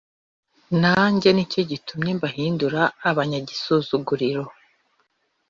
Nanjye ni cyo gitumye mbahindura abanyagisuzuguriro